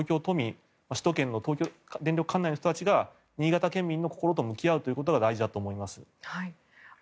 首都圏の東京電力管内の人たちが新潟県民の心と向き合うことが大事だと思います。